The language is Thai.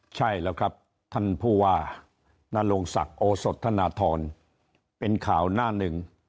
ใช่แล้วครับท่านผู้ว่านรงศักดิ์โอสดธนทรเป็นข่าวหน้าหนึ่ง